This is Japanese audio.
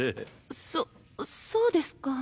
そそうですか。